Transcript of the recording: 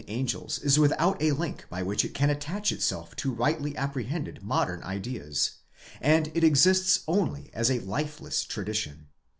99 angels is without a link by which it can attach itself to rightly apprehended modern ideas; and it exists only as a lifeless tradition.